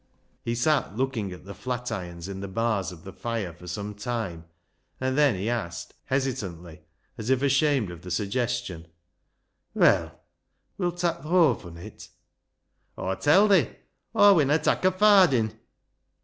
He sat looking at the flat irons in the bars of the fire for some time, and then he asked, hesitantly, as if ashamed of the suggestion —" Well, wilt tak' th' hawf on it !"" Aw tell thi. Aw winna tak' a fardin."